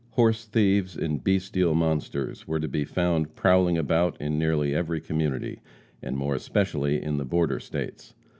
Horse thieves and bestial monsters were to be found prowling about in nearly every community, and more especially in the border States.